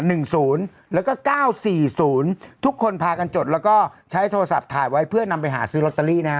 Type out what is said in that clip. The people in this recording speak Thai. หนึ่งศูนย์แล้วก็เก้าสี่ศูนย์ทุกคนพากันจดแล้วก็ใช้โทรศัพท์ถ่ายไว้เพื่อนำไปหาซื้อลอตเตอรี่นะฮะ